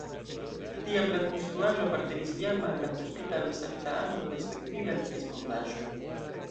Tiam la konstruaĵo apartenis jam al la Hospitalo Sankta Anno respektive al ties fondaĵo.